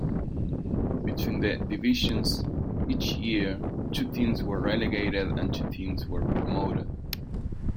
Between the divisions each year two teams were relegated and two teams were promoted.